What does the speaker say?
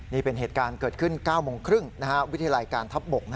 นี่เป็นเหตุการณ์เกิดขึ้น๙โมงครึ่งวิทยาลัยการทัพบก